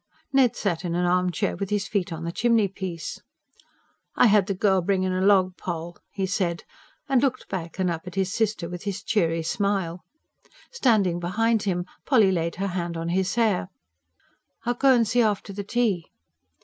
Ned sat in an armchair, with his feet on the chimney piece. "I had the girl bring in a log, Poll," he said; and looked back and up at his sister with his cheery smile. Standing behind him, Polly laid her hand on his hair. "I'll go and see after the tea."